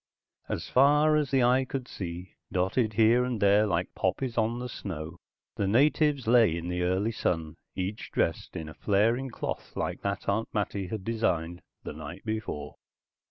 As far as the eye could see, dotted here and there like poppies on snow, the natives lay in the early sun, each dressed in flaring cloth like that Aunt Mattie had designed the night before.